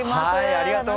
ありがとう。